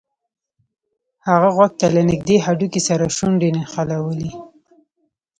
هغه غوږ ته له نږدې هډوکي سره شونډې نښلولې